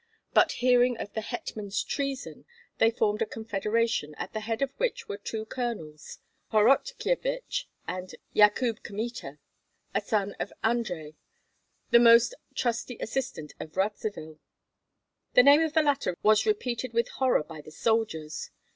But hearing of the hetman's treason, they formed a confederation, at the head of which were two colonels, Horotkyevich and Yakub Kmita, a cousin of Andrei, the most trusty assistant of Radzivill. The name of the latter was repeated with horror by the soldiers.